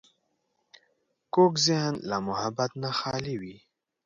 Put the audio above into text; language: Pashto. کوږ ذهن له محبت نه خالي وي